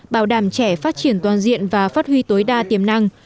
bảo đảm trẻ phát triển toàn diện và phát huy tối đa tiềm năng